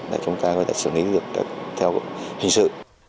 để chúng ta có thể xử lý được theo hình sự